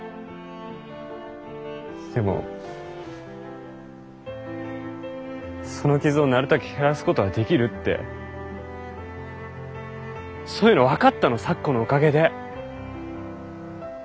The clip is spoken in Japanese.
でもその傷をなるたけ減らすことはできるってそういうの分かったの咲子のおかげで。